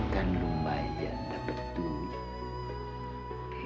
dan lumayan dapat duit